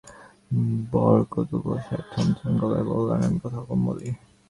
বরকতউল্লাহ সাহেব থমথমে গলায় বললেন, আমি কথা কম বলি।